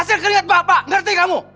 hasil keringet bapak ngerti kamu